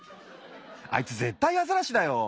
あいつぜったいアザラシだよ。